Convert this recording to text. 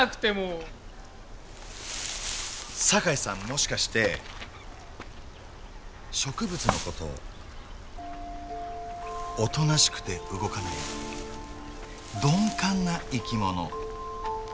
もしかして植物のことおとなしくて動かない鈍感な生き物。